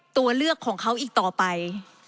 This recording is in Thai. ตัวเลือกของเขาอีกต่อไป